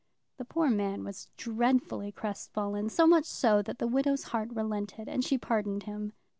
The poor man was dreadfully crestfallen, so much so that the widow's heart relented, and she pardoned him.